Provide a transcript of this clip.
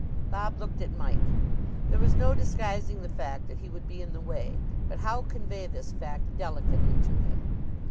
Bob looked at Mike. There was no disguising the fact that he would be in the way; but how convey this fact delicately to him?